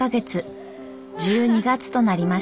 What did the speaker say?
１２月となりました。